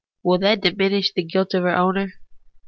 Will that diminish the guilt of her owner?